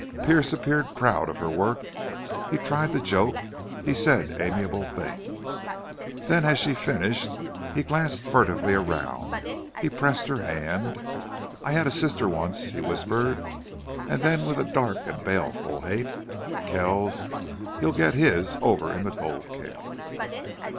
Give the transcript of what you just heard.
Pearce appeared proud of her work; he tried to joke; he said amiable things. Then as she finished he glanced furtively round; he pressed her hand: "I had a sister once!" he whispered. And then with a dark and baleful hate: "Kells! he'll get his over in the gold camp!"